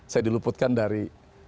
saya diluputkan dari